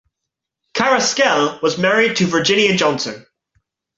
Carrasquel was married to Virginia Johnson.